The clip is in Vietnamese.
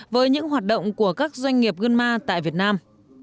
với những hoạt động của các doanh nghiệp gương ma tại việt nam